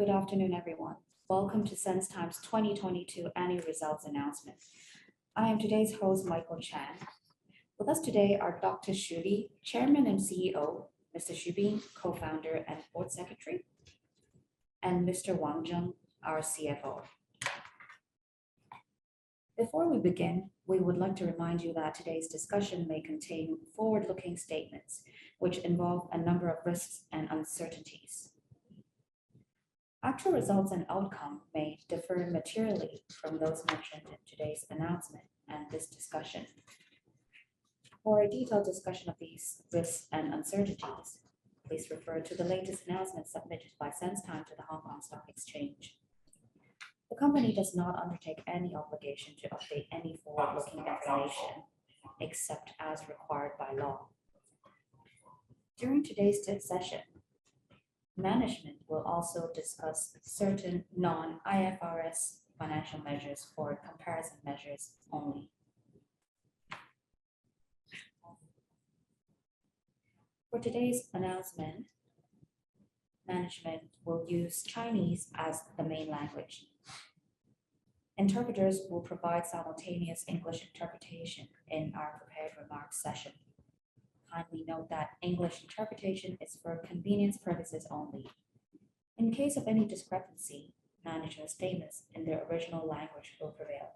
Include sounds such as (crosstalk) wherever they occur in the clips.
Hello, good afternoon, everyone. Welcome to SenseTime's 2022 annual results announcement. I am today's host, Michael Chan. With us today are Dr. Xu Li, Chairman, and CEO, Mr. Xu Bing, Co-founder and Board Secretary, and Mr. Wang Zheng, our CFO. Before we begin, we would like to remind you that today's discussion may contain forward-looking statements which involve a number of risks and uncertainties. Actual results and outcome may differ materially from those mentioned in today's announcement and this discussion. For a detailed discussion of these risks and uncertainties, please refer to the latest announcement submitted by SenseTime to the Hong Kong Stock Exchange. The company does not undertake any obligation to update any forward-looking declaration except as required by law. During today's session, management will also discuss certain non-IFRS financial measures for comparison measures only. For today's announcement, management will use Chinese as the main language. Interpreters will provide simultaneous English interpretation in our prepared remarks session. Kindly note that English interpretation is for convenience purposes only. In case of any discrepancy, management statements in their original language will prevail.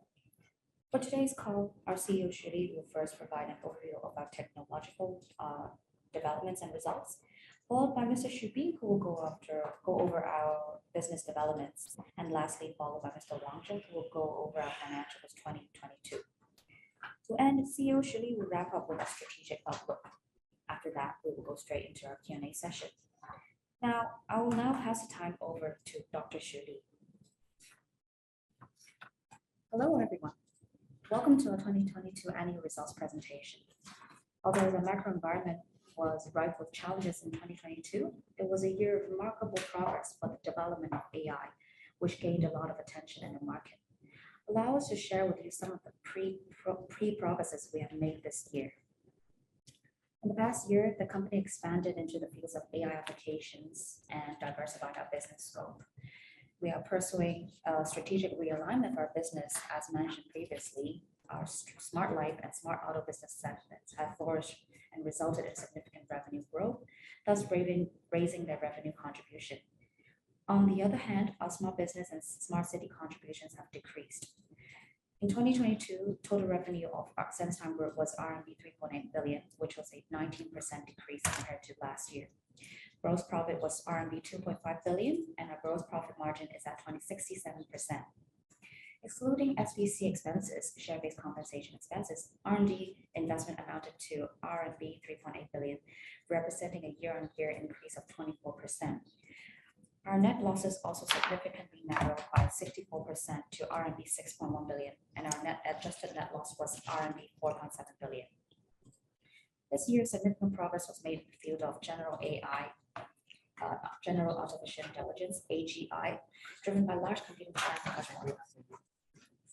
For today's call, our CEO Xu Li will first provide an overview of our technological developments and results, followed by Mr. Xu Bing, who will go over our business developments, and lastly, followed by Mr. Wang Zheng, who will go over our financials 2022. To end, CEO Xu Li will wrap up with our strategic outlook. After that, we will go straight into our Q&A session. Now, I will now pass the time over to Dr. Xu Li. Hello, everyone. Welcome to our 2022 annual results presentation. Although the macro environment was rife with challenges in 2022, it was a year of remarkable progress for the development of AI, which gained a lot of attention in the market. Allow us to share with you some of the progresses we have made this year. In the past year, the company expanded into the fields of AI applications and diversified our business scope. We are pursuing a strategic realignment of our business, as mentioned previously. Our Smart Life and Smart Auto business segments have flourished and resulted in significant revenue growth, thus raising their revenue contribution. On the other hand, our Smart Business and Smart City contributions have decreased. In 2022, total revenue of our SenseTime Group was RMB 3.8 billion, which was a 19% decrease compared to last year. Gross profit was RMB 2.5 billion. Our gross profit margin is at 20.67%. Excluding SVC expenses, share-based compensation expenses, R&D investment amounted to RMB 3.8 billion, representing a year-on-year increase of 24%. Our net losses also significantly narrowed by 64% to RMB 6.1 billion. Our adjusted net loss was RMB 4.7 billion. This year, significant progress was made in the field of general AI, general Artificial Intelligence, AGI, driven by large computing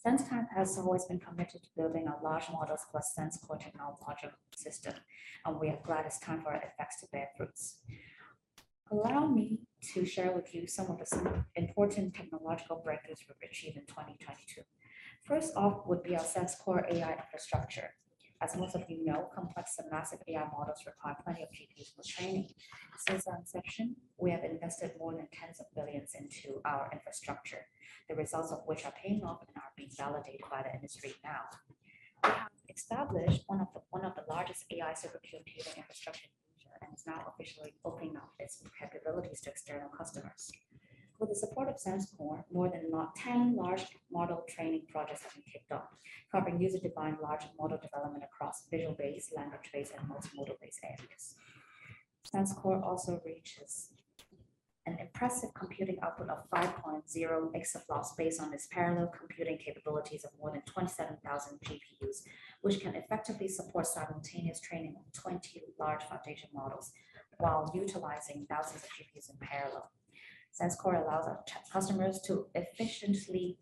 SenseTime has always been committed to building a large models plus SenseCore technological system. We are glad it's time for our efforts to bear fruits. Allow me to share with you some of the significant important technological breakthroughs we've achieved in 2022. First off would be our SenseCore AI infrastructure. As most of you know, complex and massive AI models require plenty of GPUs for training. Since our inception, we have invested more than 10 billions into our infrastructure, the results of which are paying off and are being validated by the industry now. We have established one of the largest AI supercomputing infrastructure in Asia. It's now officially opening up its capabilities to external customers. With the support of SenseCore, more than 10 large model training projects have been kicked off, covering user-defined large model development across visual-based, language-based, and multi-modal based areas. SenseCore also reaches an impressive computing output of 5.0 exaFLOPS based on its parallel computing capabilities of more than 27,000 GPUs, which can effectively support simultaneous training of 20 large foundation models while utilizing thousands of GPUs in parallel. SenseCore allows our customers to efficiently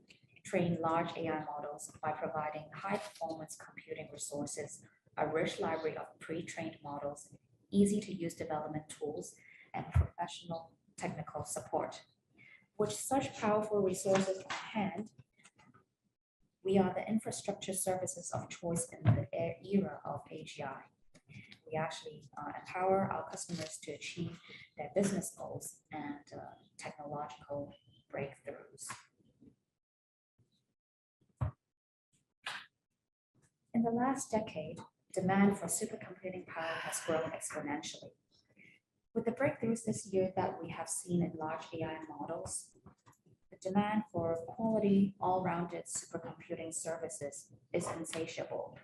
train large AI models by providing high-performance computing resources, a rich library of pre-trained models, easy-to-use development tools, and professional technical support. With such powerful resources on hand, we are the infrastructure services of choice in the era of AGI. We actually empower our customers to achieve their business goals and technological breakthroughs. In the last decade, demand for supercomputing power has grown exponentially. With the breakthroughs this year that we have seen in large AI models, the demand for quality, all-rounded supercomputing services is insatiable.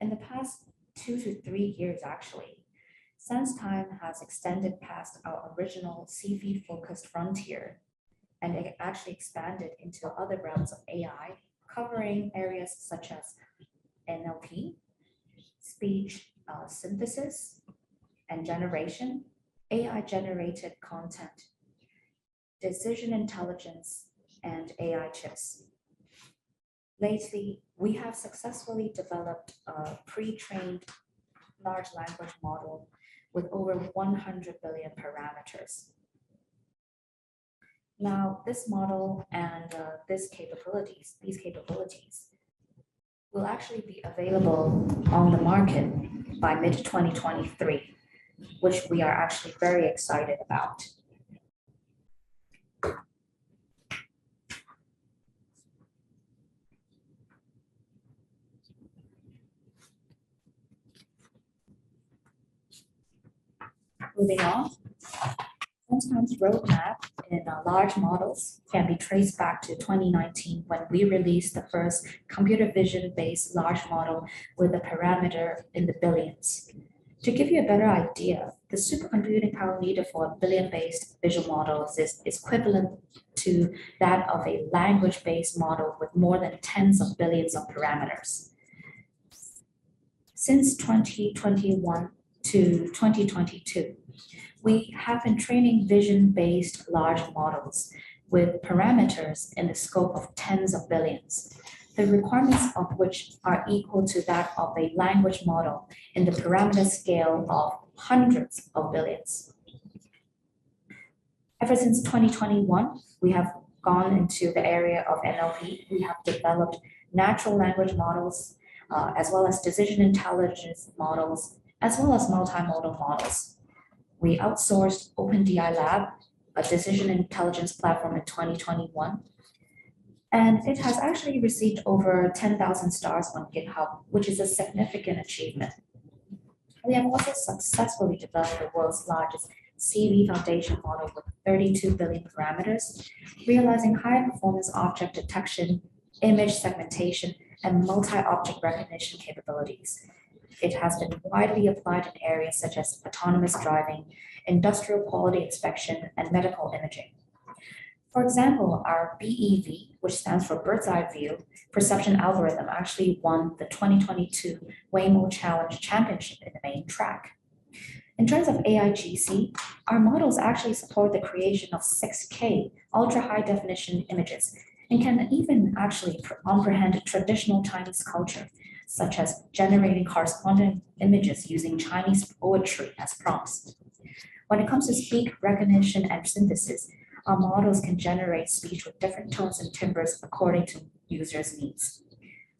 In the past two to three years, actually, SenseTime has extended past our original CV-focused frontier, and it actually expanded into other realms of AI, covering areas such as NLP, speech, synthesis and generation, AI-generated content, decision intelligence, and AI chips. Lately, we have successfully developed a pre-trained large language model with over 100 billion parameters. Now, this model and these capabilities will actually be available on the market by mid-2023, which we are actually very excited about. Moving on. SenseTime's roadmap in large models can be traced back to 2019 when we released the first computer vision-based large model with a parameter in the billions. To give you a better idea, the supercomputing power needed for a billion-based visual model is equivalent to that of a language-based model with more than tens of billions of parameters. Since 2021 to 2022, we have been training vision-based large models with parameters in the scope of tens of billions. The requirements of which are equal to that of a language model in the parameter scale of hundreds of billions. Ever since 2021, we have gone into the area of NLP. We have developed natural language models, as well as decision intelligence models, as well as multimodal models. We outsourced OpenDILab, a decision intelligence platform in 2021, and it has actually received over 10,000 stars on GitHub, which is a significant achievement. We have also successfully developed the world's largest CV foundation model with 32 billion parameters, realizing higher performance object detection, image segmentation, and multi-object recognition capabilities. It has been widely applied in areas such as autonomous driving, industrial quality inspection, and medical imaging. For example, our BEV, which stands for Bird's Eye View, perception algorithm actually won the 2022 Waymo Challenge Championship in the main track. In terms of AIGC, our models actually support the creation of 6K ultra-high definition images and can even actually comprehend traditional Chinese culture, such as generating correspondent images using Chinese poetry as prompts. When it comes to speech recognition and synthesis, our models can generate speech with different tones and timbres according to users' needs.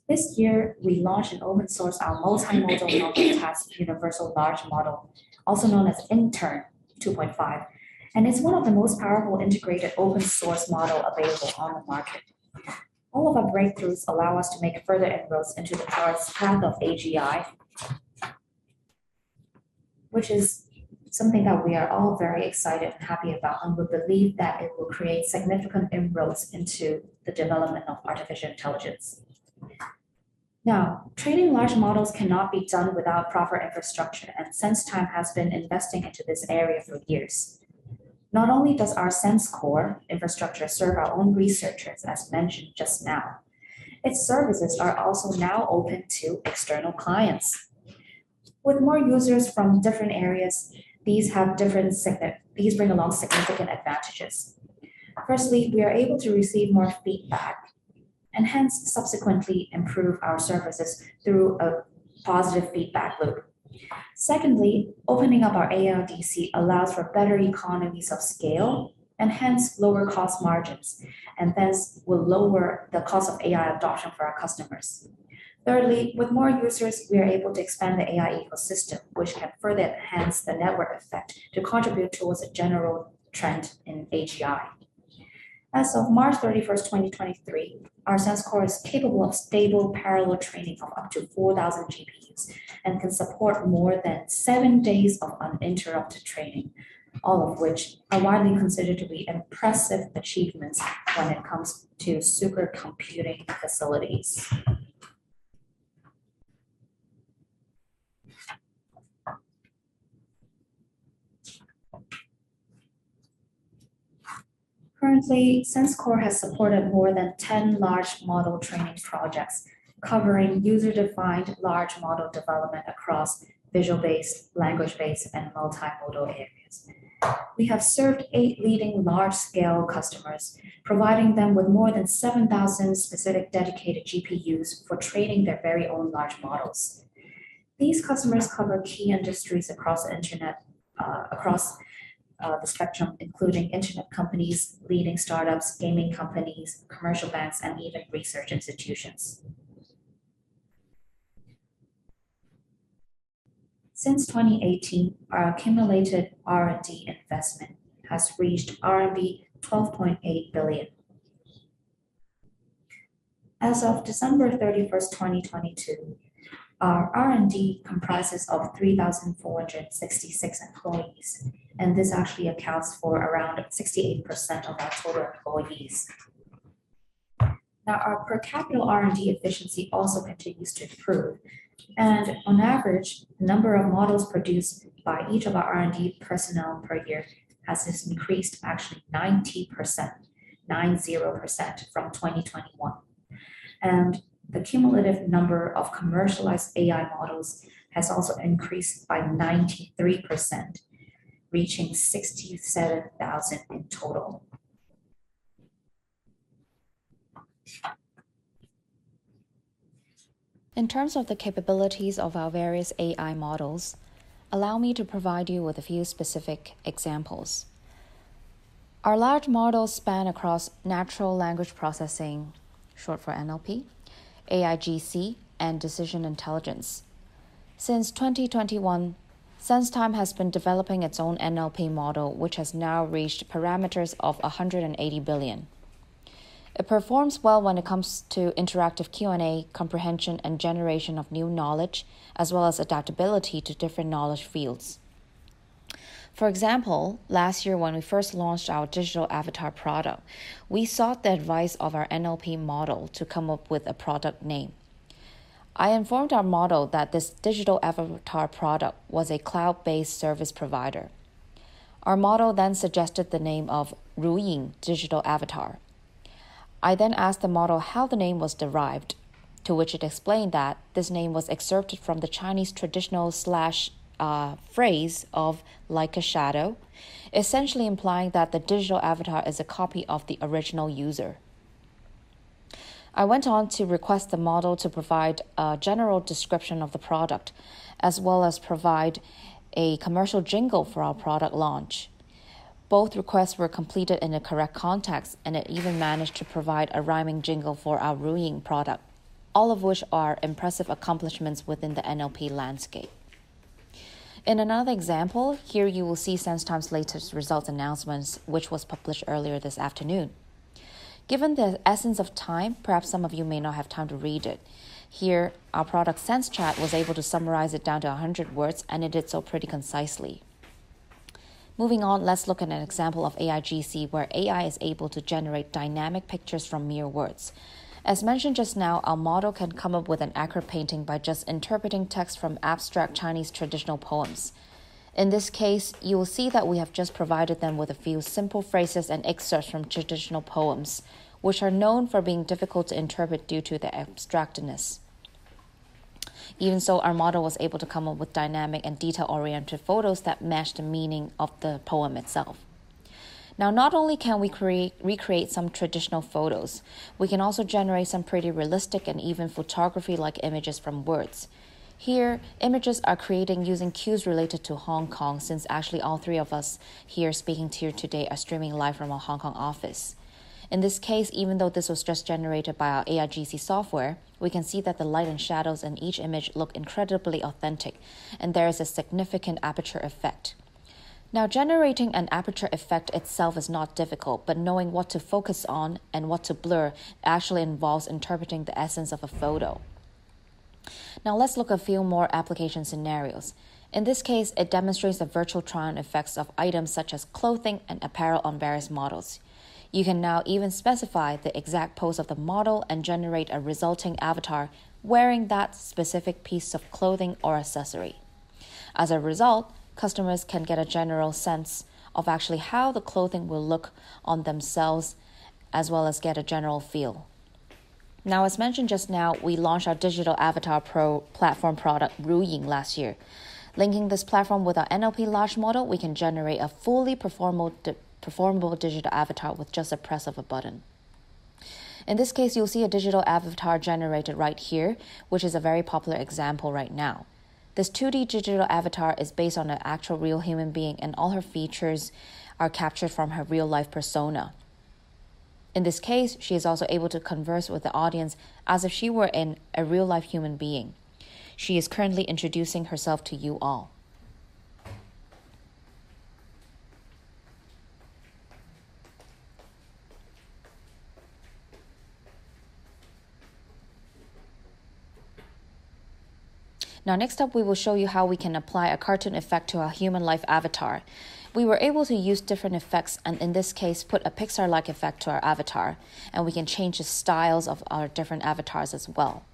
This year, we launched an open source, our multimodal multitask universal large model, also known as Intern 2.5, and it's one of the most powerful integrated open source model available on the market. All of our breakthroughs allow us to make further inroads into the power stack of AGI. (crosstalk) Which is something that we are all very excited and happy about, and we believe that it will create significant inroads into the development of Artificial Intelligence. Now, training large models cannot be done without proper infrastructure, and SenseTime has been investing into this area for years. Not only does our SenseCore infrastructure serve our own researchers, as mentioned just now, its services are also now open to external clients. With more users from different areas, these bring along significant advantages. Firstly, we are able to receive more feedback and hence subsequently improve our services through a positive feedback loop. Secondly, opening up our AIDC allows for better economies of scale and hence lower cost margins, and hence will lower the cost of AI adoption for our customers. Thirdly, with more users, we are able to expand the AI ecosystem, which can further enhance the network effect to contribute towards a general trend in AGI. As of March 31, 2023, our SenseCore is capable of stable parallel training from up to 4,000 GPUs and can support more than seven days of uninterrupted training, all of which are widely considered to be impressive achievements when it comes to supercomputing facilities. Currently, SenseCore has supported more than 10 large model training projects covering user-defined large model development across visual-based, language-based, and multimodal areas. We have served eight leading large-scale customers, providing them with more than 7,000 specific dedicated GPUs for training their very own large models. These customers cover key industries across internet, across the spectrum, including internet companies, leading startups, gaming companies, commercial banks, and even research institutions. Since 2018, our accumulated R&D investment has reached RMB 12.8 billion. As of December 31, 2022, our R&D comprises of 3,466 employees, this actually accounts for around 68% of our total employees. Our per capita R&D efficiency also continues to improve. On average, the number of models produced by each of our R&D personnel per year has increased actually 90% from 2021. The cumulative number of commercialized AI models has also increased by 93%. Reaching 67,000 in total. In terms of the capabilities of our various AI models, allow me to provide you with a few specific examples. Our large models span across natural language processing, short for NLP, AIGC, and decision intelligence. Since 2021, SenseTime has been developing its own NLP model, which has now reached parameters of 180 billion. It performs well when it comes to interactive Q&A, comprehension, and generation of new knowledge, as well as adaptability to different knowledge fields. For example, last year when we first launched our digital avatar product, we sought the advice of our NLP model to come up with a product name. I informed our model that this digital avatar product was a cloud-based service provider. Our model then suggested the name of RuYing Digital Avatar. I asked the model how the name was derived, to which it explained that this name was excerpted from the Chinese traditional slash phrase of "like a shadow," essentially implying that the digital avatar is a copy of the original user. I went on to request the model to provide a general description of the product, as well as provide a commercial jingle for our product launch. Both requests were completed in the correct context, and it even managed to provide a rhyming jingle for our RuYing product, all of which are impressive accomplishments within the NLP landscape. In another example, here you will see SenseTime's latest results announcements, which was published earlier this afternoon. Given the essence of time, perhaps some of you may not have time to read it. Here, our product SenseChat was able to summarize it down to 100 words. It did so pretty concisely. Moving on, let's look at an example of AIGC, where AI is able to generate dynamic pictures from mere words. As mentioned just now, our model can come up with an accurate painting by just interpreting text from abstract Chinese traditional poems. In this case, you will see that we have just provided them with a few simple phrases and excerpts from traditional poems, which are known for being difficult to interpret due to their abstractness. Even so, our model was able to come up with dynamic and detail-oriented photos that match the meaning of the poem itself. Not only can we recreate some traditional photos, we can also generate some pretty realistic and even photography-like images from words. Here, images are created using cues related to Hong Kong, since actually all three of us here speaking to you today are streaming live from our Hong Kong office. In this case, even though this was just generated by our AIGC software, we can see that the light and shadows in each image look incredibly authentic, and there is a significant aperture effect. Generating an aperture effect itself is not difficult, but knowing what to focus on and what to blur actually involves interpreting the essence of a photo. Let's look at a few more application scenarios. In this case, it demonstrates the virtual try-on effects of items such as clothing and apparel on various models. You can now even specify the exact pose of the model and generate a resulting avatar wearing that specific piece of clothing or accessory. As a result, customers can get a general sense of actually how the clothing will look on themselves, as well as get a general feel. As mentioned just now, we launched our digital avatar platform product, RuYing, last year. Linking this platform with our NLP large model, we can generate a fully performable digital avatar with just a press of a button. In this case, you'll see a digital avatar generated right here, which is a very popular example right now. This 2D digital avatar is based on an actual real human being, and all her features are captured from her real-life persona. In this case, she is also able to converse with the audience as if she were a real-life human being. She is currently introducing herself to you all. Now, next up, we will show you how we can apply a cartoon effect to our human-life avatar. We were able to use different effects and, in this case, put a Pixar-like effect to our avatar, and we can change the styles of our different avatars as well.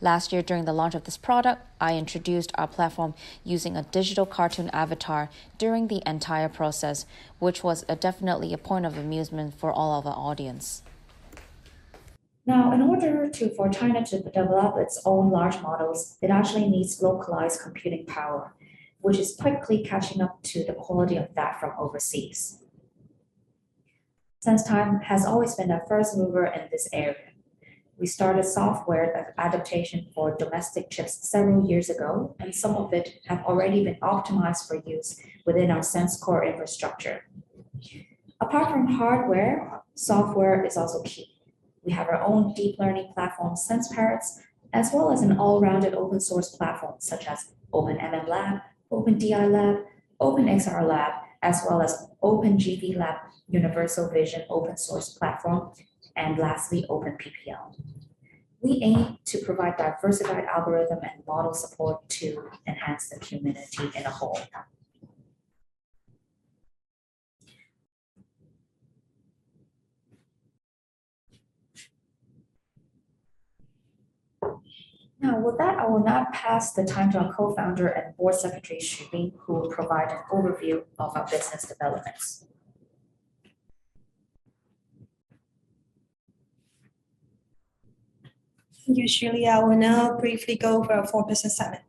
Last year, during the launch of this product, I introduced our platform using a digital cartoon avatar during the entire process, which was definitely a point of amusement for all of our audience. Now, for China to develop its own large models, it actually needs localized computing power, which is quickly catching up to the quality of that from overseas. SenseTime has always been a first mover in this area. We started software adaptation for domestic chips several years ago, and some of it have already been optimized for use within our SenseCore infrastructure. Apart from hardware, software is also key. We have our own deep learning platform, SenseParrots, as well as an all-rounded open source platform, such as OpenMMLab, OpenDILab, OpenXRLab, as well as OpenGVLab universal vision open source platform, and lastly, OpenPPL. We aim to provide diversified algorithm and model support to enhance the community as a whole. With that, I will now pass the time to our Co-founder and Board Secretary, Xu Bing, who will provide an overview of our business developments Thank you, Xu Li. I will now briefly go over our four business segment.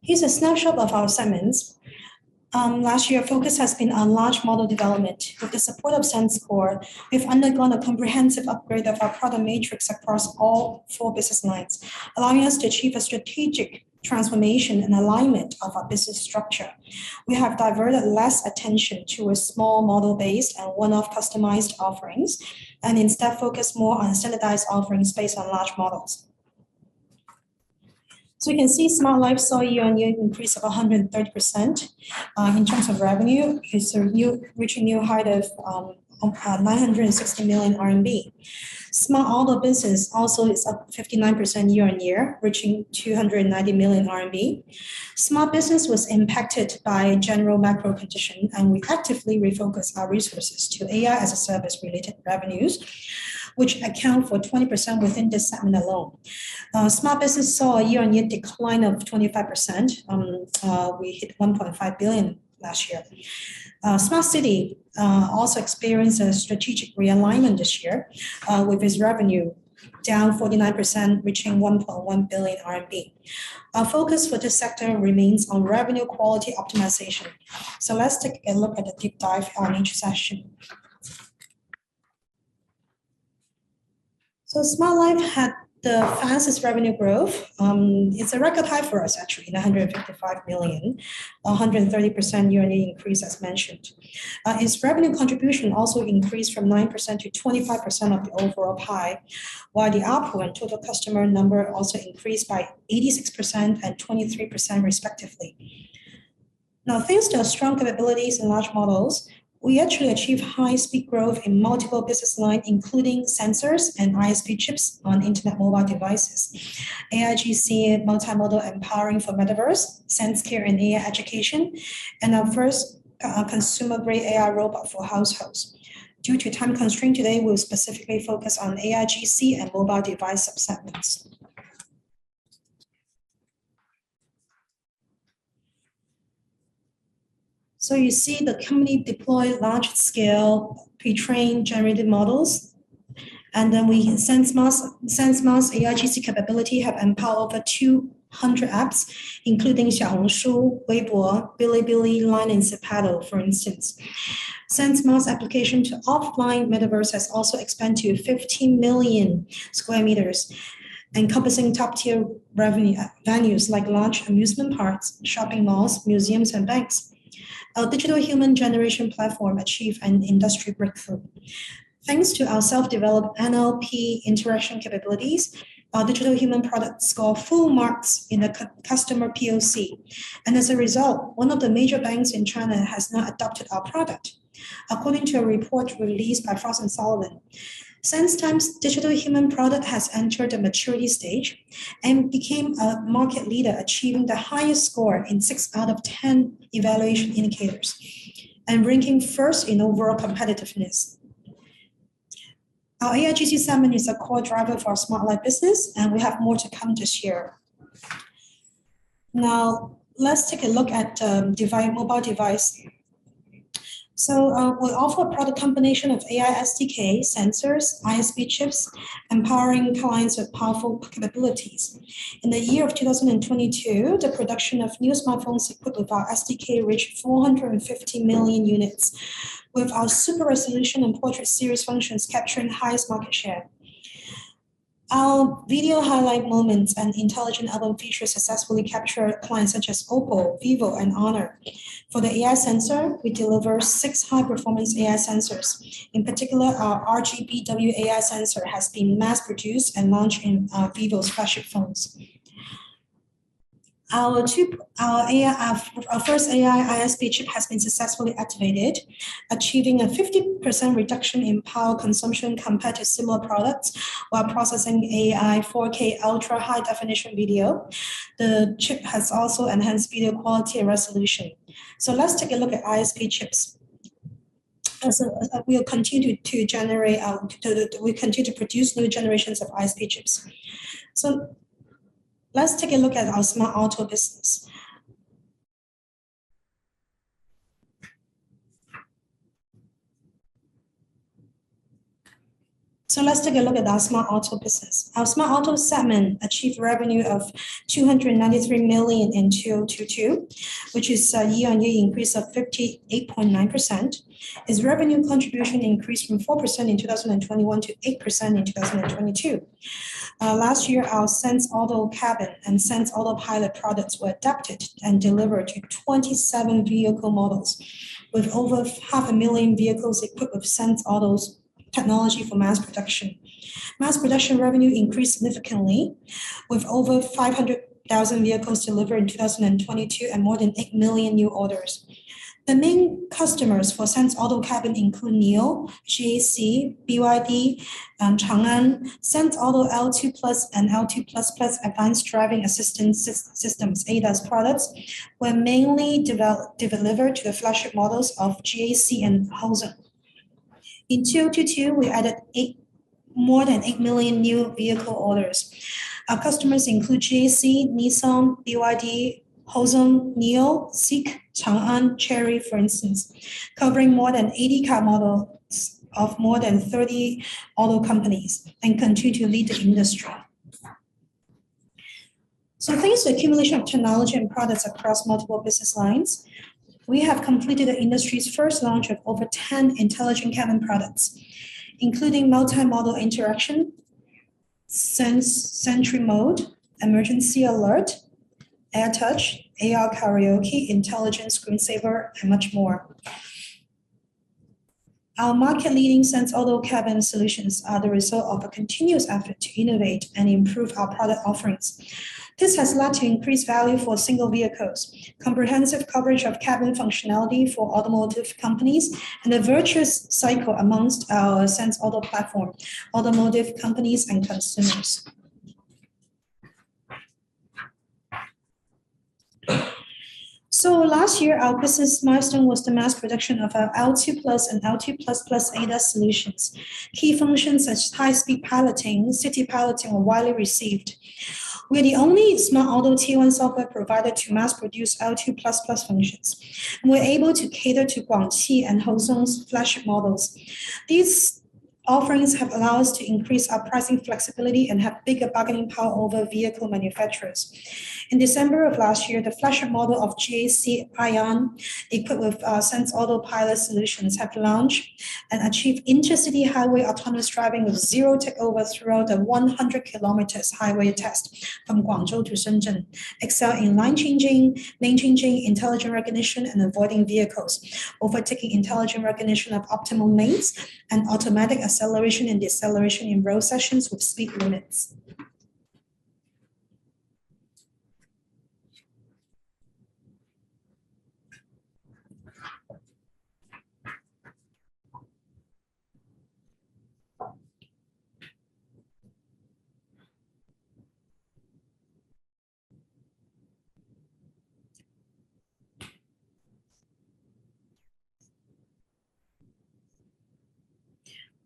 Here's a snapshot of our segments. Last year, focus has been on large model development. With the support of SenseCore, we've undergone a comprehensive upgrade of our product matrix across all four business lines, allowing us to achieve a strategic transformation and alignment of our business structure. We have diverted less attention to a small model base and one-off customized offerings, and instead focus more on standardized offerings based on large models. You can see Smart Life saw a year-on-year increase of 130% in terms of revenue. It's reaching new height of 960 million RMB. Smart Auto business also is up 59% year-on-year, reaching 290 million RMB. Smart Business was impacted by general macro conditions. We actively refocused our resources to AI-as-a-service related revenues, which account for 20% within this segment alone. Smart Business saw a year-on-year decline of 25%. We hit 1.5 billion last year. Smart City also experienced a strategic realignment this year, with its revenue down 49%, reaching 1.1 billion RMB. Our focus for this sector remains on revenue quality optimization. Let's take a look at a deep dive on each session. Smart Life had the fastest revenue growth. It's a record high for us actually, 955 million, a 130% year-on-year increase, as mentioned. Its revenue contribution also increased from 9% to 25% of the overall pie, while the ARPU and total customer number also increased by 86% and 23% respectively. Thanks to our strong capabilities in large models, we actually achieved high-speed growth in multiple business line, including sensors and AI ISP chips on internet mobile devices, AIGC multi-modal empowering for metaverse, SenseCare, and AI education, and our first consumer-grade AI robot for households. Due to time constraint today, we'll specifically focus on AIGC and mobile device sub-segments. You see the company deploy large scale pre-trained generative models, we SenseMARS's AIGC capability have empowered over 200 apps, including Xiaohongshu, Weibo, Bilibili, Line, and Kakao, for instance. SenseMARS's application to offline metaverse has also expanded to 15 million square meters, encompassing top-tier revenue venues like large amusement parks, shopping malls, museums, and banks. Our digital human generation platform achieved an industry breakthrough. Thanks to our self-developed NLP interaction capabilities, our digital human product score full marks in a customer POC. As a result, one of the major banks in China has now adopted our product. According to a report released by Frost & Sullivan, SenseTime's digital human product has entered the maturity stage and became a market leader, achieving the highest score in six out of 10 evaluation indicators and ranking first in overall competitiveness. Our AIGC segment is a core driver for our Smart Life business, and we have more to come this year. Now, let's take a look at mobile device. We offer a product combination of AI SDK, sensors, ISP chips, empowering clients with powerful capabilities. In the year 2022, the production of new smartphones equipped with our SDK reached 450 million units, with our super resolution and portrait series functions capturing the highest market share. Our video highlight moments and intelligent album features successfully capture clients such as OPPO, Vivo, and Honor. For the AI sensor, we deliver six high-performance AI sensors. In particular, our RGBW AI sensor has been mass-produced and launched in Vivo's flagship phones. Our first AI ISP chip has been successfully activated, achieving a 50% reduction in power consumption compared to similar products while processing AI 4K ultra-high-definition video. The chip has also enhanced video quality and resolution. Let's take a look at ISP chips. We continue to produce new generations of ISP chips. Let's take a look at our Smart Auto business. Our Smart Auto segment achieved revenue of 293 million in 2022, which is a year-on-year increase of 58.9%. Its revenue contribution increased from 4% in 2021 to 8% in 2022. Last year, our SenseAuto Cabin and SenseAuto Pilot products were adapted and delivered to 27 vehicle models, with over 500,000 vehicles equipped with SenseAuto's technology for mass production. Mass production revenue increased significantly, with over 500,000 vehicles delivered in 2022 and more than eight million new orders. The main customers for SenseAuto Cabin include NIO, GAC, BYD, Changan. SenseAuto L2+ and L2++ advanced driving assistance systems, ADAS products, were mainly delivered to the flagship models of GAC and Audi. In 2022, we added more than eight million new vehicle orders. Our customers include GAC, Nissan, BYD, Hozon, NIO, Zeekr, Changan, Chery, for instance, covering more than 80 car models of more than 30 auto companies and continue to lead the industry. Thanks to accumulation of technology and products across multiple business lines, we have completed the industry's first launch of over 10 intelligent cabin products, including multi-model interaction, sensory mode, emergency alert, air touch, AR Karaoke, intelligent screensaver, and much more. Our market-leading SenseAuto Cabin solutions are the result of a continuous effort to innovate and improve our product offerings. This has led to increased value for single vehicles, comprehensive coverage of cabin functionality for automotive companies, and a virtuous cycle amongst our SenseAuto platform, automotive companies, and consumers. Last year, our business milestone was the mass production of our L2+ and L2++ ADAS solutions. Key functions such as high-speed piloting, city piloting were widely received. We're the only Smart Auto Tier One software provider to mass produce L2++ functions, and we're able to cater to Guangqi and Hozon's flagship models. These offerings have allowed us to increase our pricing flexibility and have bigger bargaining power over vehicle manufacturers. In December of last year, the flagship model of GAC Aion, equipped with our SenseAuto Pilot solutions, had to launch and achieve intercity highway autonomous driving with zero takeovers throughout the 100 kilometers highway test from Guangzhou to Shenzhen, excel in line changing, lane changing, intelligent recognition, and avoiding vehicles, overtaking intelligent recognition of optimal lanes, and automatic acceleration and deceleration in road sections with speed limits.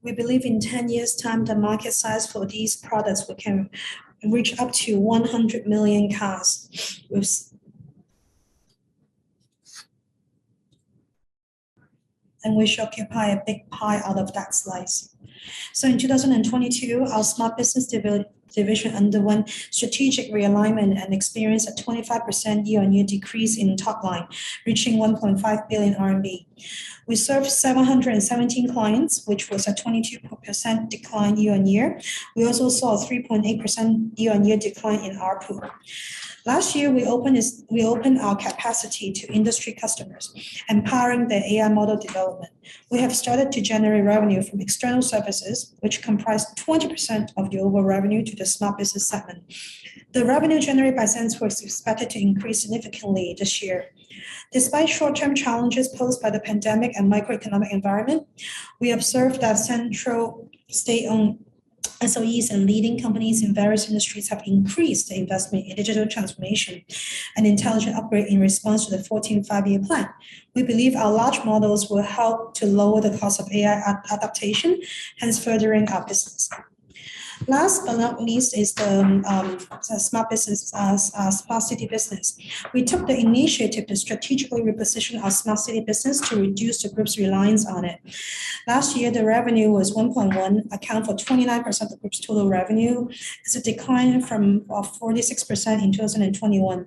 We believe in 10 years' time, the market size for these products will reach up to 100 million cars with. We shall occupy a big pie out of that slice. In 2022, our Smart Business division underwent strategic realignment and experienced a 25% year-on-year decrease in top line, reaching 1.5 billion RMB. We served 717 clients, which was a 22% decline year-on-year. We also saw a 3.8% year-on-year decline in ARPU. Last year, We opened our capacity to industry customers, empowering their AI model development. We have started to generate revenue from external services, which comprised 20% of the overall revenue to the Smart Business segment. The revenue generated by SenseCore is expected to increase significantly this year. Despite short-term challenges posed by the pandemic and microeconomic environment, we observed that central state-owned SOEs and leading companies in various industries have increased their investment in digital transformation and intelligent upgrade in response to the 14th Five-Year Plan. We believe our large models will help to lower the cost of AI adaptation, hence furthering our business. Last but not least is the Smart Business, Smart City business. We took the initiative to strategically reposition our Smart City business to reduce the Group's reliance on it. Last year, the revenue was 1.1, account for 29% of Group's total revenue. It's a decline from 46% in 2021.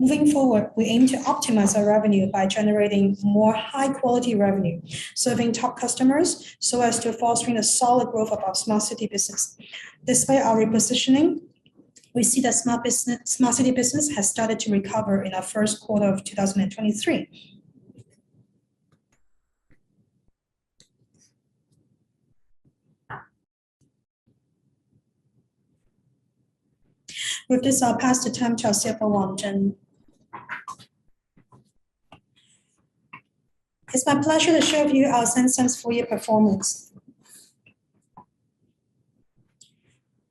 Moving forward, we aim to optimize our revenue by generating more high-quality revenue, serving top customers, so as to fostering a solid growth of our Smart City business. Despite our repositioning, we see that Smart City business has started to recover in our first quarter of 2023. With this, I'll pass the time to our CFO, Wang Zheng. It's my pleasure to share with you our SenseTime's full year performance.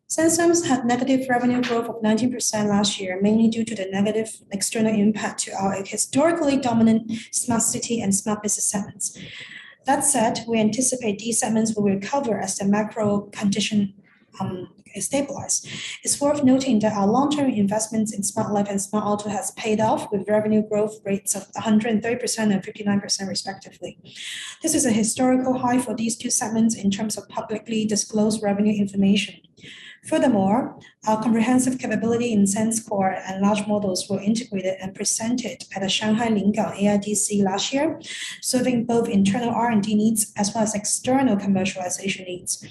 SenseTime's had negative revenue growth of 19% last year, mainly due to the negative external impact to our historically dominant Smart City and Smart Business segments. That said, we anticipate these segments will recover as the macro condition stabilize. It's worth noting that our long-term investments in Smart Life and Smart Auto has paid off with revenue growth rates of 130% and 59% respectively. This is a historical high for these two segments in terms of publicly disclosed revenue information. Our comprehensive capability in SenseCore and large models were integrated and presented at the Shanghai Lingang AIDC last year, serving both internal R&D needs as well as external commercialization needs.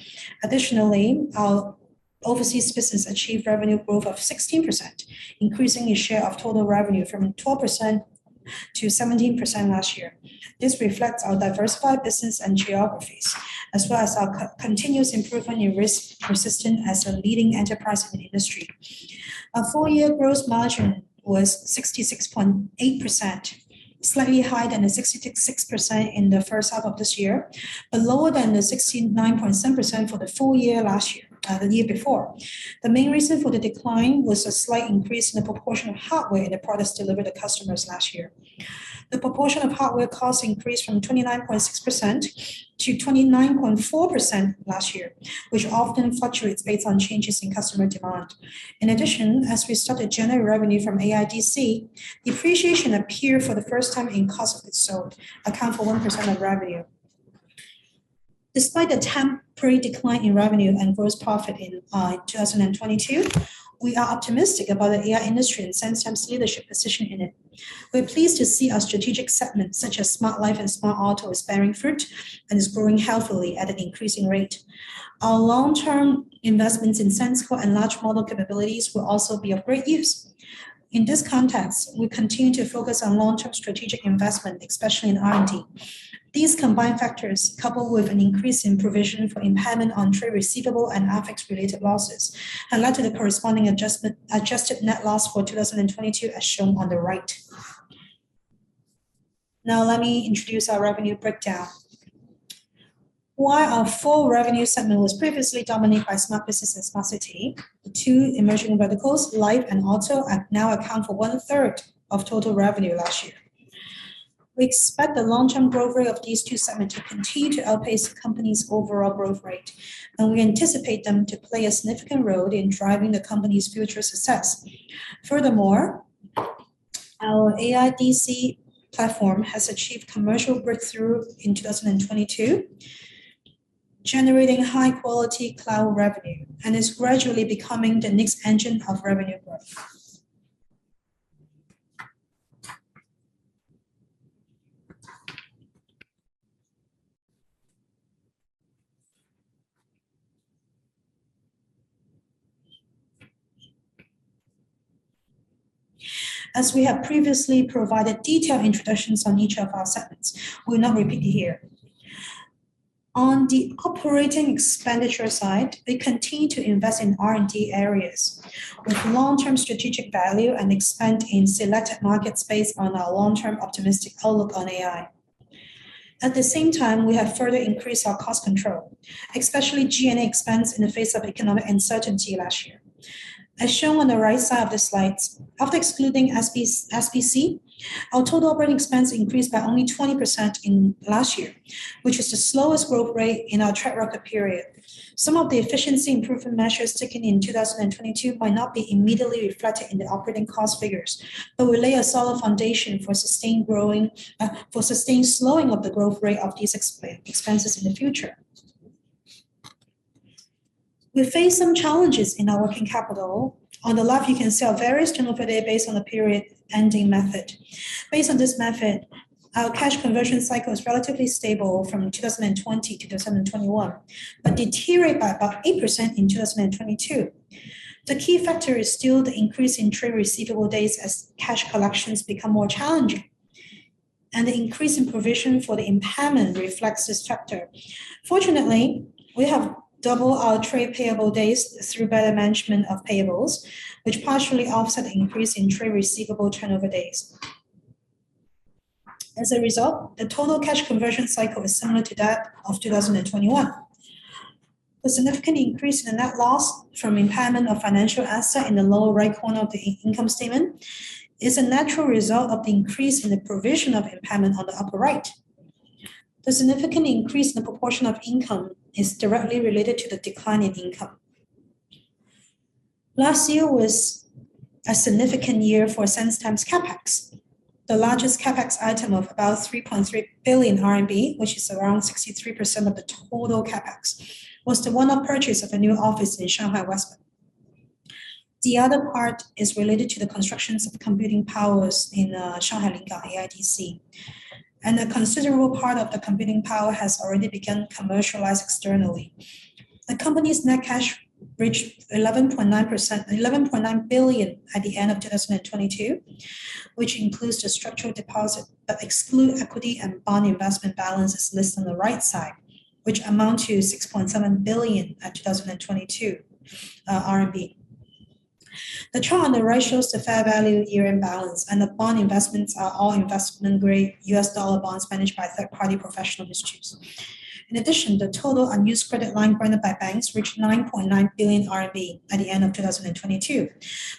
Our overseas business achieved revenue growth of 16%, increasing its share of total revenue from 12%-17% last year. This reflects our diversified business and geographies, as well as our co-continuous improvement in risk persistent as a leading enterprise in the industry. Our full year gross margin was 66.8%, slightly higher than the 66% in the first half of this year, but lower than the 69.7% for the full year last year, the year before. The main reason for the decline was a slight increase in the proportion of hardware the products delivered to customers last year. The proportion of hardware costs increased from 29.6%-29.4% last year, which often fluctuates based on changes in customer demand. In addition, as we started to generate revenue from AIDC, depreciation appeared for the first time in cost of goods sold, account for 1% of revenue. Despite the temporary decline in revenue and gross profit in 2022, we are optimistic about the AI industry and SenseTime's leadership position in it. We're pleased to see our strategic segments such as Smart Life and Smart Auto is bearing fruit and is growing healthily at an increasing rate. Our long-term investments in SenseCore and large model capabilities will also be of great use. In this context, we continue to focus on long-term strategic investment, especially in R&D. These combined factors, coupled with an increase in provision for impairment on trade receivable and FX-related losses, have led to the corresponding adjustment, adjusted net loss for 2022 as shown on the right. Let me introduce our revenue breakdown. While our full revenue segment was previously dominated by Smart Business and Smart City, the two emerging verticals, Life and Auto, now account for 1/3 of total revenue last year. We expect the long-term growth rate of these two segments to continue to outpace the company's overall growth rate, and we anticipate them to play a significant role in driving the company's future success. Furthermore, our AIDC platform has achieved commercial breakthrough in 2022, generating high-quality cloud revenue and is gradually becoming the next engine of revenue growth. As we have previously provided detailed introductions on each of our segments, we will not repeat here. On the operating expenditure side, we continue to invest in R&D areas with long-term strategic value and expand in selected markets based on our long-term optimistic outlook on AI. At the same time, we have further increased our cost control, especially G&A expense in the face of economic uncertainty last year. As shown on the right side of the slides, after excluding SBC, our total operating expense increased by only 20% in last year, which is the slowest growth rate in our track record period. Some of the efficiency improvement measures taken in 2022 might not be immediately reflected in the operating cost figures, but will lay a solid foundation for sustained growing, for sustained slowing of the growth rate of these expenses in the future. We face some challenges in our working capital. On the left, you can see our various turnover days based on the period ending method. Based on this method, our cash conversion cycle is relatively stable from 2020-2021, but deteriorate by about 8% in 2022. The key factor is still the increase in trade receivable days as cash collections become more challenging, and the increase in provision for the impairment reflects this factor. Fortunately, we have double our trade payable days through better management of payables, which partially offset the increase in trade receivable turnover days. As a result, the total cash conversion cycle is similar to that of 2021. The significant increase in the net loss from impairment of financial asset in the lower right corner of the income statement is a natural result of the increase in the provision of impairment on the upper right. The significant increase in the proportion of income is directly related to the decline in income. Last year was a significant year for SenseTime's CapEx. The largest CapEx item of about 3.3 billion RMB, which is around 63% of the total CapEx, was the one-off purchase of a new office in Shanghai West Bund. The other part is related to the constructions of computing powers in Shanghai Lingang AIDC, and a considerable part of the computing power has already begun commercialized externally. The company's net cash reached 11.9 billion at the end of 2022, which includes the structural deposit but excludes equity and bond investment balances listed on the right side, which amount to 6.7 billion at 2022. The chart on the right shows the fair value year-end balance, and the bond investments are all investment-grade US dollar bonds managed by third-party professional distributors. In addition, the total unused credit line granted by banks reached 9.9 billion RMB at the end of 2022,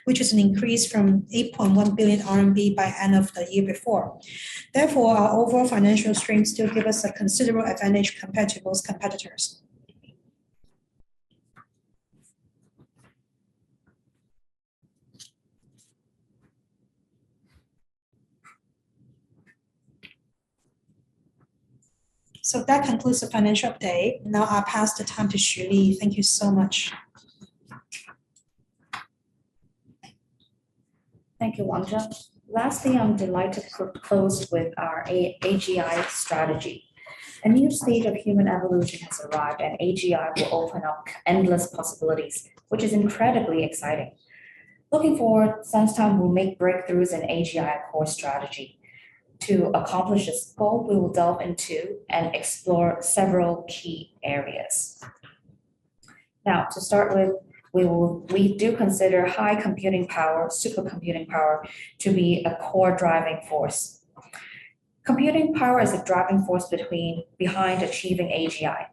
which is an increase from 8.1 billion RMB by end of the year before. Our overall financial strength still give us a considerable advantage compared to most competitors. That concludes the financial update. I pass the time to Xu Li. Thank you so much. Thank you, Wang Zheng. Lastly, I'm delighted to close with our AGI strategy. A new stage of human evolution has arrived, and AGI will open up endless possibilities, which is incredibly exciting. Looking forward, SenseTime will make breakthroughs in AGI core strategy. To accomplish this goal, we will delve into and explore several key areas. Now, to start with, we do consider high computing power, supercomputing power, to be a core driving force. Computing power is a driving force behind achieving AGI.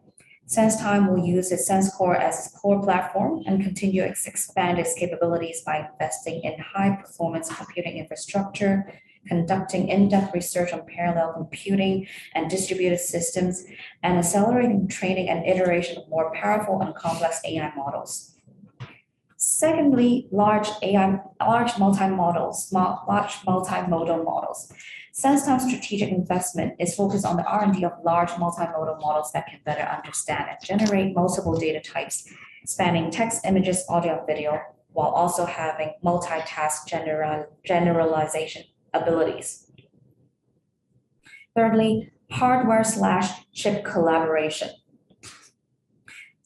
SenseTime will use its SenseCore as core platform and continue expand its capabilities by investing in high-performance computing infrastructure, conducting in-depth research on parallel computing and distributed systems, and accelerating training and iteration of more powerful and complex AI models. Secondly, large multi-modal models. SenseTime's strategic investment is focused on the R&D of large multi-modal models that can better understand and generate multiple data types, spanning text, images, audio, video, while also having multitask generalization abilities. Thirdly, hardware/chip collaboration.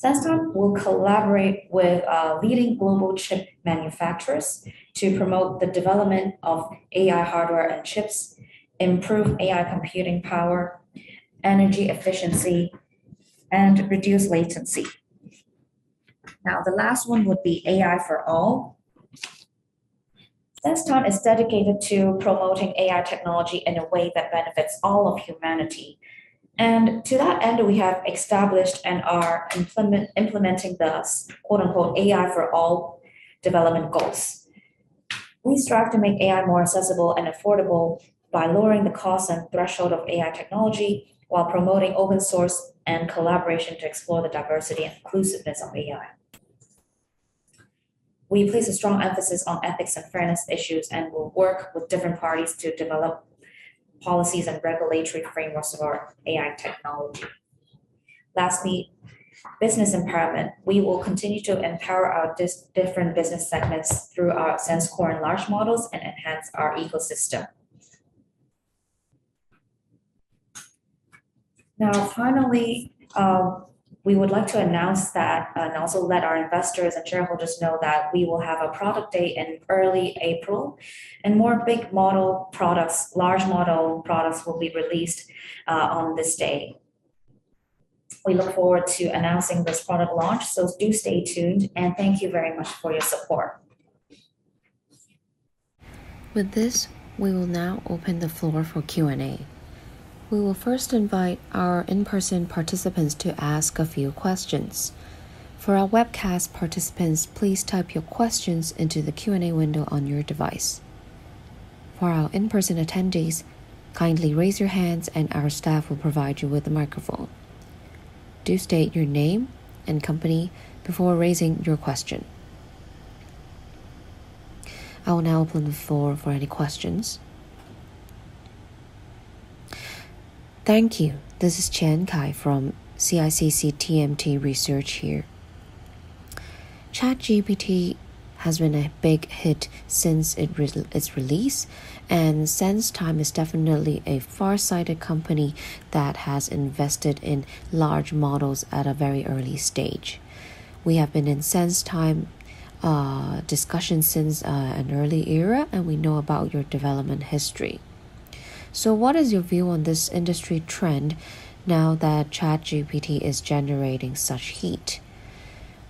SenseTime will collaborate with leading global chip manufacturers to promote the development of AI hardware and chips, improve AI computing power, energy efficiency, and reduce latency. The last one would be AI for all. SenseTime is dedicated to promoting AI technology in a way that benefits all of humanity. To that end, we have established and are implementing the quote, unquote, "AI for all development goals." We strive to make AI more accessible and affordable by lowering the cost and threshold of AI technology while promoting open source and collaboration to explore the diversity and inclusiveness of AI. We place a strong emphasis on ethics and fairness issues and will work with different parties to develop policies and regulatory frameworks of our AI technology. Lastly, business empowerment. We will continue to empower our different business segments through our SenseCore and large models and enhance our ecosystem. Now, finally, we would like to announce that, and also let our investors and shareholders know that we will have a product day in early April, and more large model products will be released on this day. We look forward to announcing this product launch. Do stay tuned. Thank you very much for your support. With this, we will now open the floor for Q&A. We will first invite our in-person participants to ask a few questions. For our webcast participants, please type your questions into the Q&A window on your device. For our in-person attendees, kindly raise your hands, and our staff will provide you with a microphone. Do state your name and company before raising your question. I will now open the floor for any questions. Thank you. This is Chen Kai from CICC TMT Research here. ChatGPT has been a big hit since its release, and SenseTime is definitely a farsighted company that has invested in large models at a very early stage. We have been in SenseTime discussion since an early era, and we know about your development history. What is your view on this industry trend now that ChatGPT is generating such heat?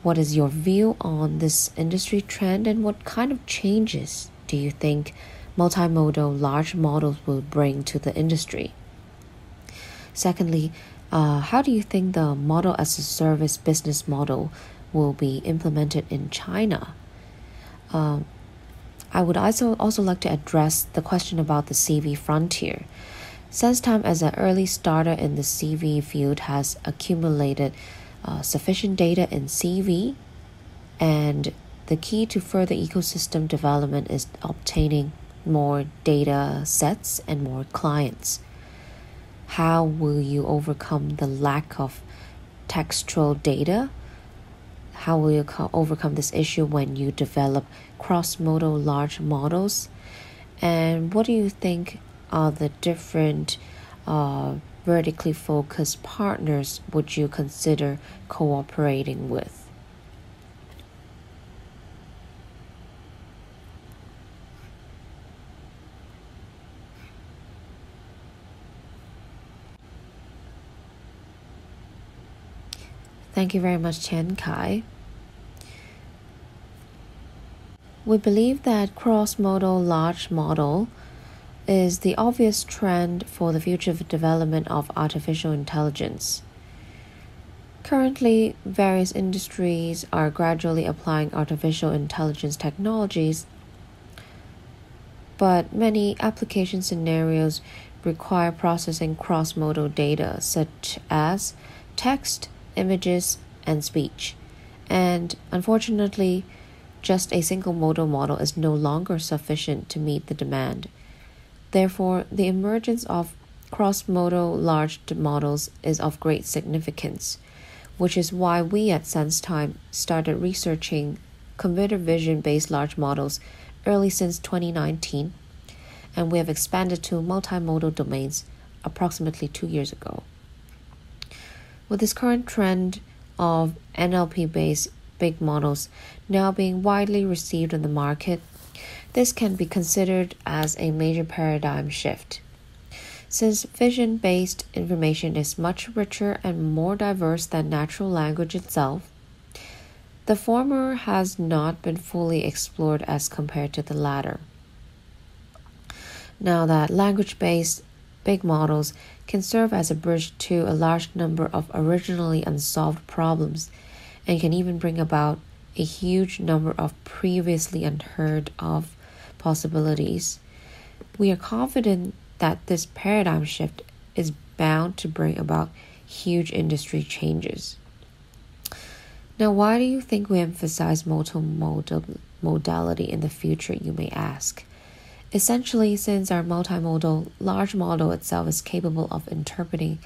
What is your view on this industry trend, what kind of changes do you think multimodal large models will bring to the industry? Secondly, how do you think the Model-as-a-Service business model will be implemented in China? I would also like to address the question about the CV frontier. SenseTime as an early starter in the CV field has accumulated sufficient data in CV, and the key to further ecosystem development is obtaining more data sets and more clients. How will you overcome the lack of textual data? How will you overcome this issue when you develop cross-modal large models? What do you think are the different, vertically focused partners would you consider cooperating with? Thank you very much, Kai Chen. We believe that cross-modal large model is the obvious trend for the future development of Artificial Intelligence. Currently, various industries are gradually applying Artificial Intelligence technologies, but many application scenarios require processing cross-modal data such as text, images, and speech. Unfortunately, just a single modal model is no longer sufficient to meet the demand. Therefore, the emergence of cross-modal large models is of great significance, which is why we at SenseTime started researching computer vision-based large models early since 2019, and we have expanded to multimodal domains approximately two years ago. With this current trend of NLP-based big models now being widely received on the market, this can be considered as a major paradigm shift. Since vision-based information is much richer and more diverse than natural language itself, the former has not been fully explored as compared to the latter. That language-based big models can serve as a bridge to a large number of originally unsolved problems and can even bring about a huge number of previously unheard of possibilities. We are confident that this paradigm shift is bound to bring about huge industry changes. Why do you think we emphasize multimodal modality in the future, you may ask? Essentially, since our multimodal large model itself is capable of interpreting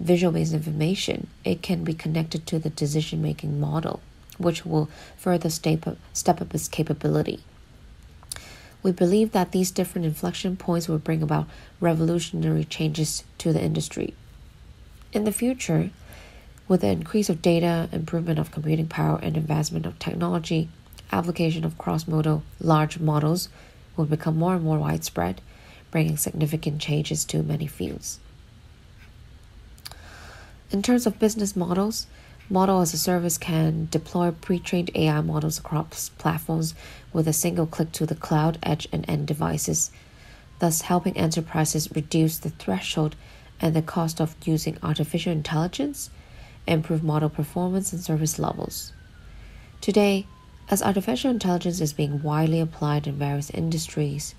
visual-based information, it can be connected to the decision-making model, which will further step up its capability. We believe that these different inflection points will bring about revolutionary changes to the industry. In the future, with the increase of data, improvement of computing power, and advancement of technology, application of cross-modal large models will become more and more widespread, bringing significant changes to many fields. In terms of business models, Model-as-a-Service can deploy pre-trained AI models across platforms with a single click to the cloud, edge, and end devices, thus helping enterprises reduce the threshold and the cost of using Artificial Intelligence, improve model performance and service levels. Today, as Artificial Intelligence is being widely applied in various industries,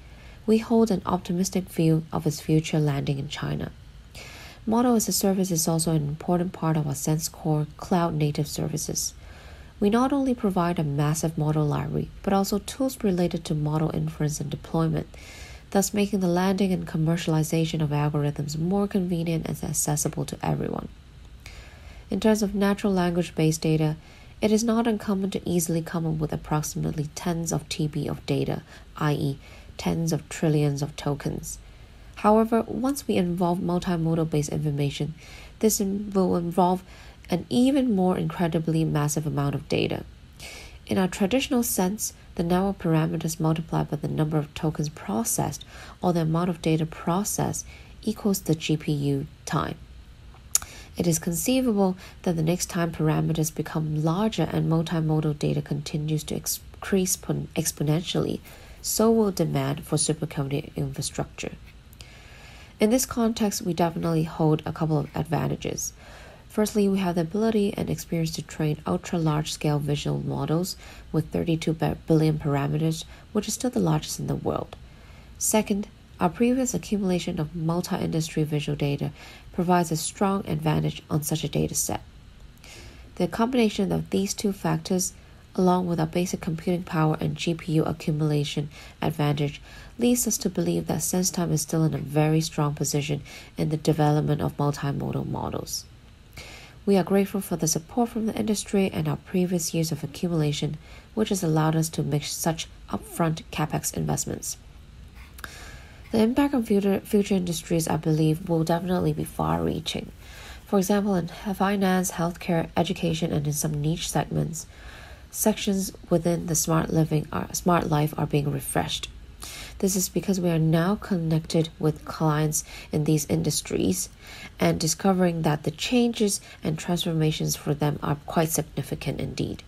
we hold an optimistic view of its future landing in China. Model-as-a-Service is also an important part of our SenseCore cloud-native services. We not only provide a massive model library, but also tools related to model inference and deployment, thus making the landing and commercialization of algorithms more convenient and accessible to everyone. In terms of natural language-based data, it is not uncommon to easily come up with approximately tens of TB of data, i.e., tens of trillions of tokens. However, once we involve multimodal-based information, this will involve an even more incredibly massive amount of data. In our traditional sense, the network parameters multiplied by the number of tokens processed or the amount of data processed equals the GPU time. It is conceivable that the next time parameters become larger and multimodal data continues to increase exponentially, so will demand for supercomputing infrastructure. In this context, we definitely hold a couple of advantages. Firstly, we have the ability and experience to train ultra-large-scale visual models with 32 billion parameters, which is still the largest in the world. Second, our previous accumulation of multi-industry visual data provides a strong advantage on such a data set. The combination of these two factors, along with our basic computing power and GPU accumulation advantage, leads us to believe that SenseTime is still in a very strong position in the development of multimodal models. We are grateful for the support from the industry and our previous years of accumulation, which has allowed us to make such upfront CapEx investments. The impact on future industries, I believe, will definitely be far-reaching. For example, in finance, healthcare, education, and in some niche segments, sections within the Smart Life are being refreshed. This is because we are now connected with clients in these industries and discovering that the changes and transformations for them are quite significant indeed.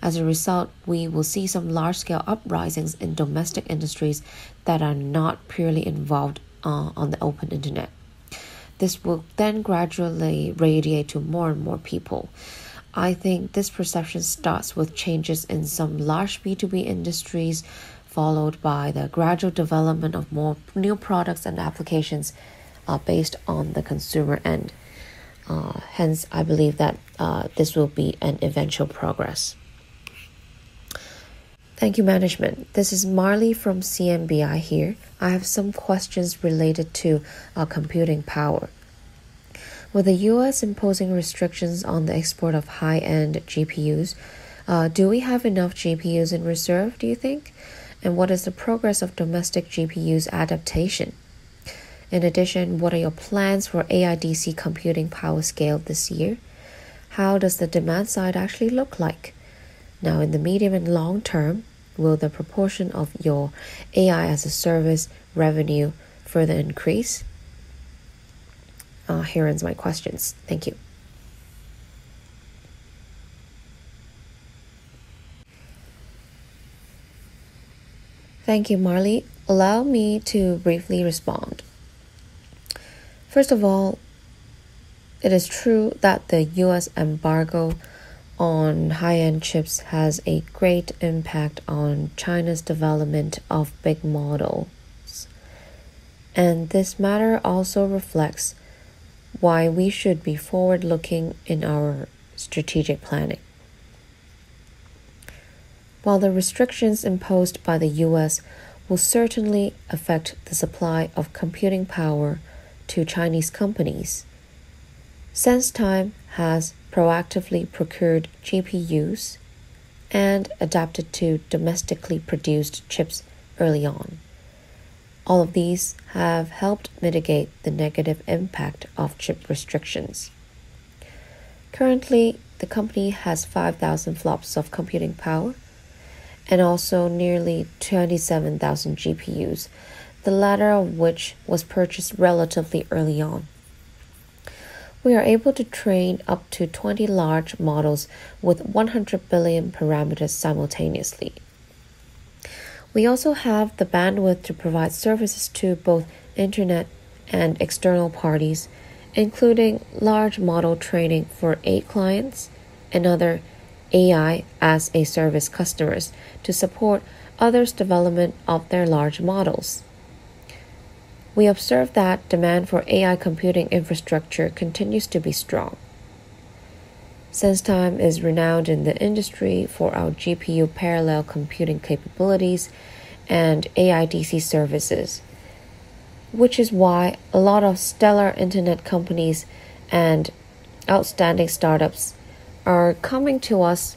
As a result, we will see some large-scale uprisings in domestic industries that are not purely involved on the open internet. This will then gradually radiate to more and more people. I think this perception starts with changes in some large B2B industries, followed by the gradual development of more new products and applications based on the consumer end. I believe that this will be an eventual progress. Thank you, management. This is Marley from CMBI here. I have some questions related to our computing power. With the U.S. imposing restrictions on the export of high-end GPUs, do we have enough GPUs in reserve, do you think? What is the progress of domestic GPUs adaptation? In addition, what are your plans for AIDC computing power scale this year? How does the demand side actually look like? In the medium and long term, will the proportion of your AI-as-a-Service revenue further increase? Here ends my questions. Thank you. Thank you, Marley. Allow me to briefly respond. First of all, it is true that the U.S. embargo on high-end chips has a great impact on China's development of big models. This matter also reflects why we should be forward-looking in our strategic planning. While the restrictions imposed by the U.S. will certainly affect the supply of computing power to Chinese companies, SenseTime has proactively procured GPUs and adapted to domestically produced chips early on. All of these have helped mitigate the negative impact of chip restrictions. Currently, the company has 5,000 flops of computing power and also nearly 27,000 GPUs, the latter of which was purchased relatively early on. We are able to train up to 20 large models with 100 billion parameters simultaneously. We also have the bandwidth to provide services to both internet and external parties, including large model training for eight clients and other AI as a service customers to support others' development of their large models. We observe that demand for AI computing infrastructure continues to be strong. SenseTime is renowned in the industry for our GPU parallel computing capabilities and AIDC services, which is why a lot of stellar internet companies and outstanding startups are coming to us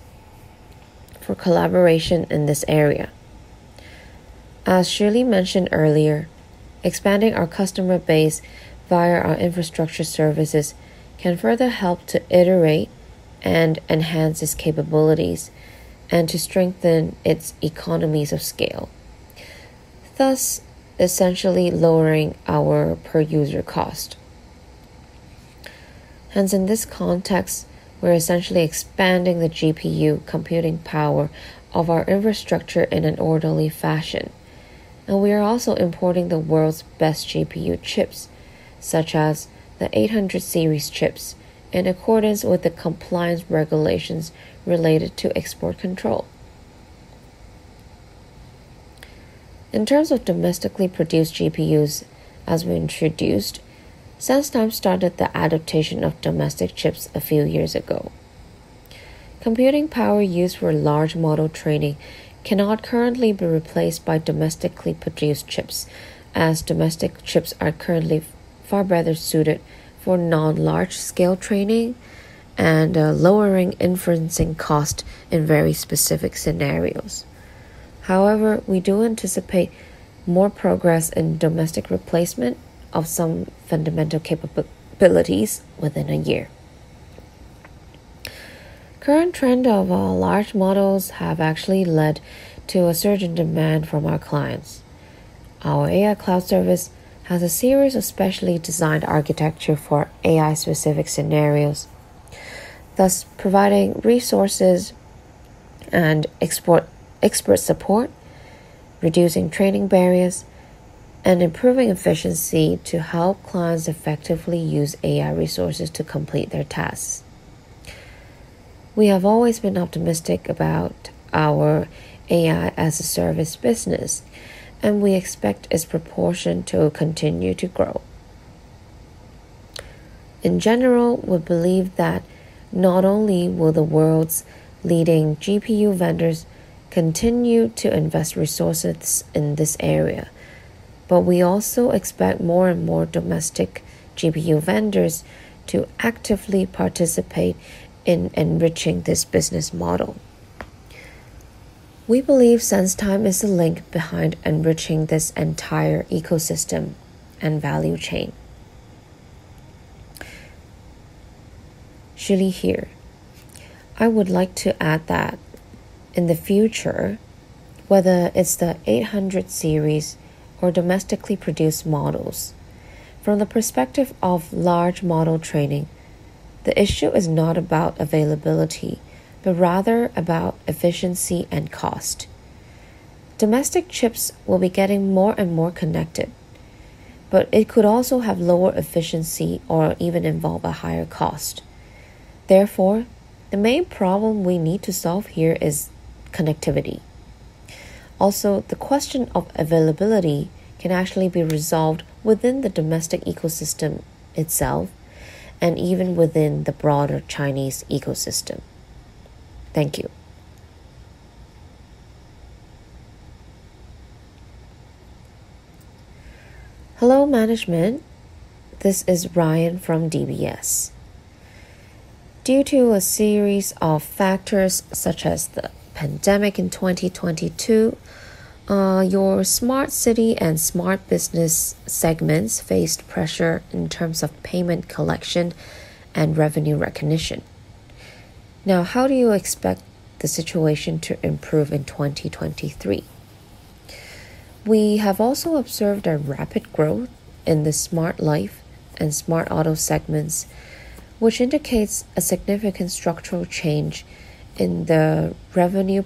for collaboration in this area. As Shirley mentioned earlier, expanding our customer base via our infrastructure services can further help to iterate and enhance its capabilities and to strengthen its economies of scale, thus essentially lowering our per user cost. Hence, in this context, we're essentially expanding the GPU computing power of our infrastructure in an orderly fashion, and we are also importing the world's best GPU chips, such as the A800 series chips, in accordance with the compliance regulations related to export control. In terms of domestically produced GPUs, as we introduced, SenseTime started the adaptation of domestic chips a few years ago. Computing power used for large model training cannot currently be replaced by domestically produced chips, as domestic chips are currently far better suited for non-large-scale training and lowering inferencing cost in very specific scenarios. However, we do anticipate more progress in domestic replacement of some fundamental capabilities within a year. Current trend of our large models have actually led to a surge in demand from our clients. Our AI cloud service has a series of specially designed architecture for AI-specific scenarios, thus providing resources and export expert support, reducing training barriers, and improving efficiency to help clients effectively use AI resources to complete their tasks. We have always been optimistic about our AI as a service business, and we expect its proportion to continue to grow. In general, we believe that not only will the world's leading GPU vendors continue to invest resources in this area, but we also expect more and more domestic GPU vendors to actively participate in enriching this business model. We believe SenseTime is the link behind enriching this entire ecosystem and value chain. Shirley here. I would like to add that in the future, whether it's the 800 series or domestically produced models, from the perspective of large model training, the issue is not about availability, but rather about efficiency and cost. Domestic chips will be getting more and more connected, but it could also have lower efficiency or even involve a higher cost. Therefore, the main problem we need to solve here is connectivity. Also, the question of availability can actually be resolved within the domestic ecosystem itself and even within the broader Chinese ecosystem. Thank you. Hello, management. This is Ryan from DBS. Due to a series of factors such as the pandemic in 2022, your Smart City and Smart Business segments faced pressure in terms of payment collection and revenue recognition. How do you expect the situation to improve in 2023? We have also observed a rapid growth in the Smart Life and Smart Auto segments, which indicates a significant structural change in the revenue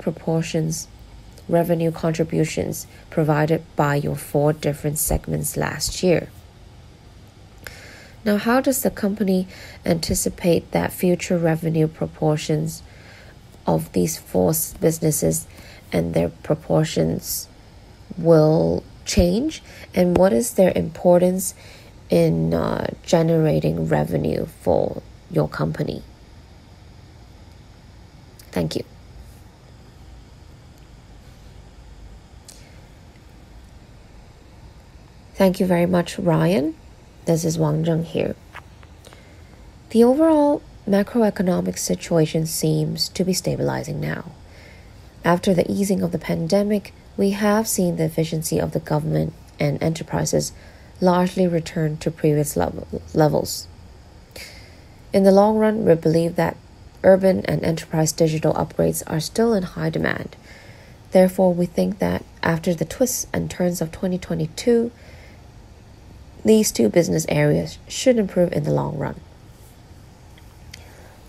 contributions provided by your four different segments last year. How does the company anticipate that future revenue proportions of these four businesses and their proportions will change, and what is their importance in generating revenue for your company? Thank you. Thank you very much, Ryan. This is Wang Zheng here. The overall macroeconomic situation seems to be stabilizing now. After the easing of the pandemic, we have seen the efficiency of the government and enterprises largely return to previous levels. In the long run, we believe that urban and enterprise digital upgrades are still in high demand. Therefore, we think that after the twists and turns of 2022, these two business areas should improve in the long run.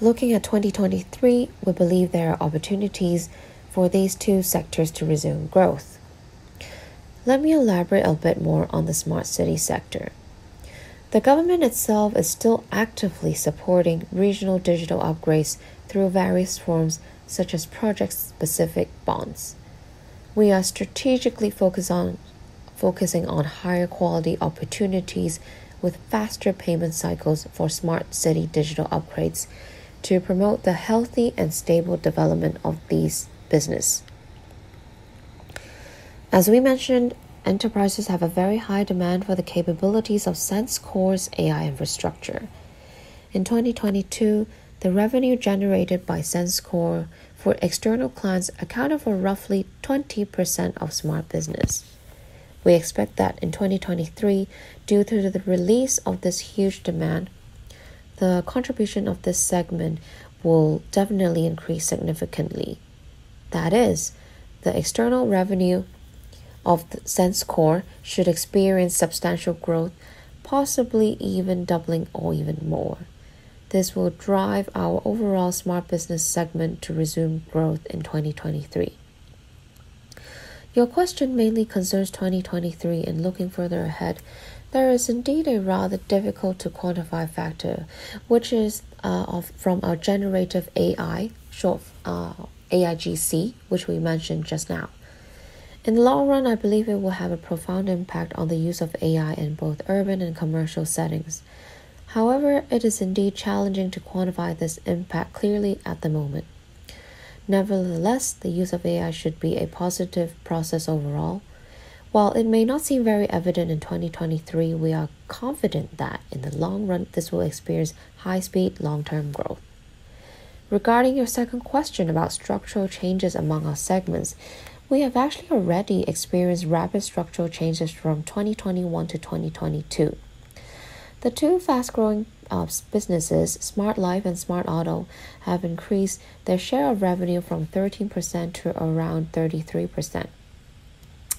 Looking at 2023, we believe there are opportunities for these two sectors to resume growth. Let me elaborate a bit more on the Smart City sector. The government itself is still actively supporting regional digital upgrades through various forms, such as project-specific bonds. We are strategically focusing on higher quality opportunities with faster payment cycles for smart city digital upgrades to promote the healthy and stable development of this business. As we mentioned, enterprises have a very high demand for the capabilities of SenseCore's AI infrastructure. In 2022, the revenue generated by SenseCore for external clients accounted for roughly 20% of Smart Business. We expect that in 2023, due to the release of this huge demand, the contribution of this segment will definitely increase significantly. That is, the external revenue of SenseCore should experience substantial growth, possibly even doubling or even more. This will drive our overall Smart Business segment to resume growth in 2023. Your question mainly concerns 2023 and looking further ahead. There is indeed a rather difficult to quantify factor, which is, from our generative AI, short, AIGC, which we mentioned just now. In the long run, I believe it will have a profound impact on the use of AI in both urban and commercial settings. However, it is indeed challenging to quantify this impact clearly at the moment. Nevertheless, the use of AI should be a positive process overall. It may not seem very evident in 2023, we are confident that in the long run, this will experience high speed, long-term growth. Regarding your second question about structural changes among our segments, we have actually already experienced rapid structural changes from 2021-2022. The two fast-growing businesses, Smart Life and Smart Auto, have increased their share of revenue from 13% to around 33%.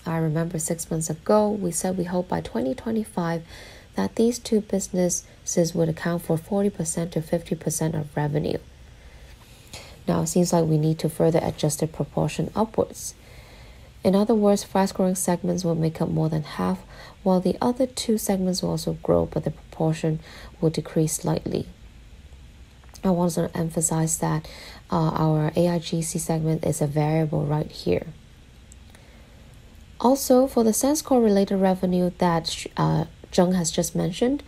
I remember six months ago, we said we hope by 2025 that these two businesses would account for 40%-50% of revenue. It seems like we need to further adjust the proportion upwards. In other words, fast-growing segments will make up more than half, while the other two segments will also grow, but the proportion will decrease slightly. I want to emphasize that our AIGC segment is a variable right here. Also, for the SenseCore related revenue that Zheng has just mentioned,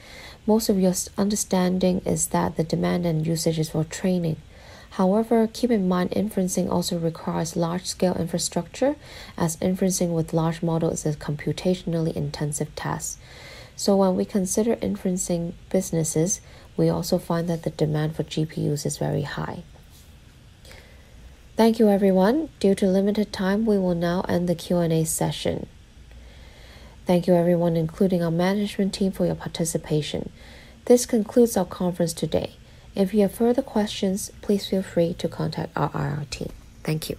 most of your understanding is that the demand and usage is for training. However, keep in mind inferencing also requires large-scale infrastructure as inferencing with large models is a computationally intensive task. When we consider inferencing businesses, we also find that the demand for GPUs is very high. Thank you, everyone. Due to limited time, we will now end the Q&A session. Thank you, everyone, including our management team, for your participation. This concludes our conference today. If you have further questions, please feel free to contact our IR team. Thank you.